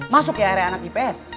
masuk ke area anak ips